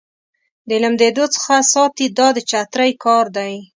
د لمدېدو څخه ساتي دا د چترۍ کار دی.